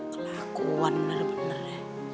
kelakuan bener bener ya